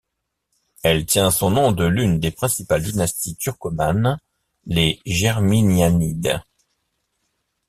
Elle tient son nom de l'une des principales dynasties turcomanes, les Germiyanides.